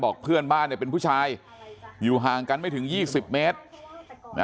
เพื่อนบ้านเป็นผู้ชายอยู่ห่างกันไม่ถึง๒๐เมตร